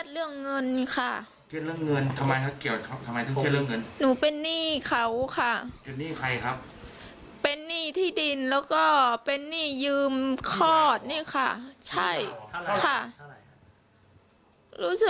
แล้วคือตอนที่เรายังท้องอยู่เนี่ยเรามีความเครียดไหมยังไม่ได้คลอดไหมครับ